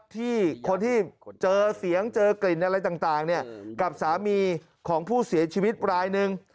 ที่คนที่เจอเสียงเจอกลิ่นอะไรต่างกับสามีของผู้เสียชีวิตรายหนึ่ง